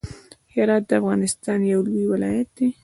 هرات د افغانستان يو لوی ولايت دی.